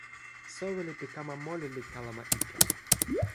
soweli pi kama moli li kalama ike.